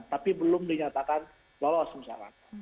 tapi belum dinyatakan lolos misalkan